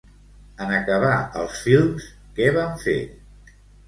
En acabar els films, què van fer?